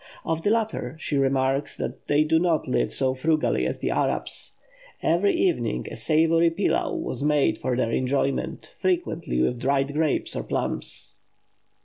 Of the latter she remarks that they do not live so frugally as the Arabs. Every evening a savoury pilau was made for their enjoyment, frequently with dried grapes or plums.